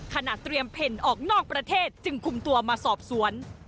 เตรียมเพ่นออกนอกประเทศจึงคุมตัวมาสอบสวน